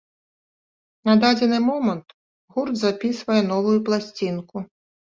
На дадзены момант гурт запісвае новую пласцінку.